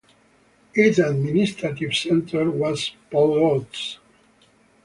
Its administrative centre was Polotsk.